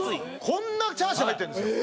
こんなチャーシュー入ってるんですよ。